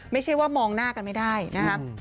ไม่ใช่ว่ามองหน้ากันไม่ได้นะครับ